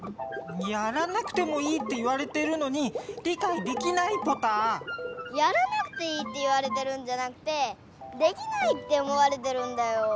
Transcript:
やらなくてもいいって言われてるのに理かいできないポタ。やらなくていいって言われてるんじゃなくてできないって思われてるんだよ。